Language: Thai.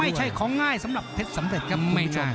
ไม่ใช่ของง่ายสำหรับเท็จสำเร็จครับคุณผู้ชม